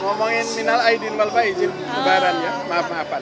ngomongin final aidin malpa izin kebaran ya maaf maafan